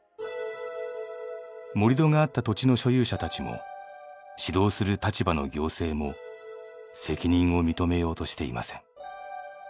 盛り土があった土地の所有者たちも指導する立場の行政も責任を認めようとしていません。